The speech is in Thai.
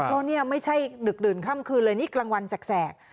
แล้วนี่ไม่ใช่ดึกดื่นค่ำคืนเลยนี่กลางวันแสก